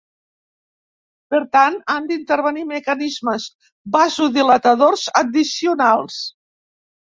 Per tant, han d'intervenir mecanismes vasodilatadors addicionals.